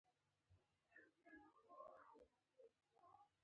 نوي نامعلومه حیوانات له خلکو سره مخ شول.